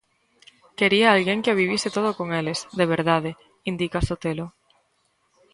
"Quería a alguén que o vivise todo con eles, de verdade", indica Sotelo.